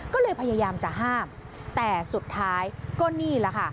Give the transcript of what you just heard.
ก็เลยพยายามจะห้ามแต่สุดท้ายก็นี่แหละค่ะ